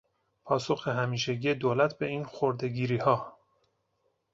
پاسخ همیشگی دولت به این خرده گیریها